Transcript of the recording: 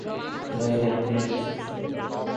তুমি এখানে কি নিতে এসছো?